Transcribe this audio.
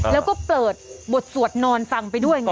แล้วก็เปิดบทสวดนอนฟังไปด้วยไง